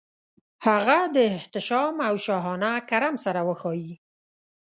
هغه د احتشام او شاهانه کرم سره وښايي.